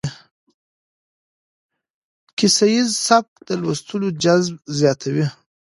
کيسه ييز سبک د لوستلو جذب زياتوي.